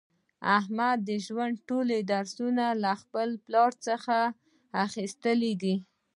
احمد د ژوند ټول درسونه له خپل پلار څخه اخیستي دي.